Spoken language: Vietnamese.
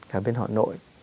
cả biên họ nội